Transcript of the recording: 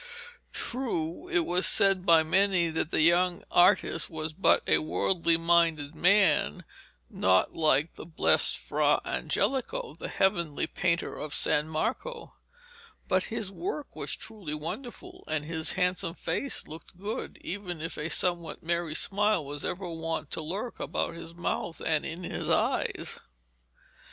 True, it was said by many that the young artist was but a worldly minded man, not like the blessed Fra Angelico, the heavenly painter of San Marco; but his work was truly wonderful, and his handsome face looked good, even if a somewhat merry smile was ever wont to lurk about his mouth and in his eyes.